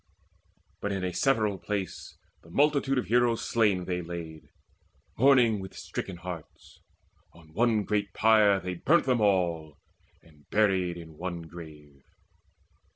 But in a several place The multitude of heroes slain they laid, Mourning with stricken hearts. On one great pyre They burnt them all, and buried in one grave.